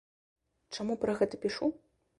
Чаму пра гэта пішу?